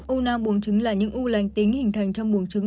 u nang bùng trứng là những u lành tính hình thành trong bùng trứng